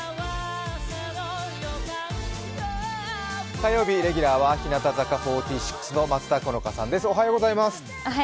火曜日レギュラーは日向坂４６の松田好花さんです。